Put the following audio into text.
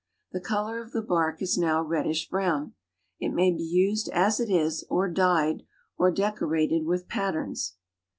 The color of the bark is now reddish brown. It may be used as it is, or dyed, or decorated with patterns.